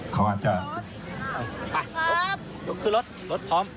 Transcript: ขอบคุณครับ